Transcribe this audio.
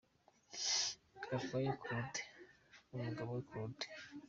Gakwaya Claude& Mugabo Claude.